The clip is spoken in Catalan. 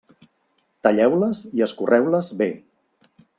Talleu-les i escorreu-les bé.